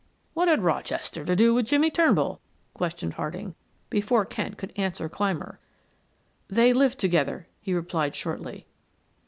"What had Rochester to do with Jimmie Turnbull?" questioned Harding, before Kent could answer Clymer. "They lived together," he replied shortly.